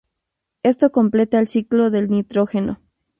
Esto completa el ciclo del nitrógeno.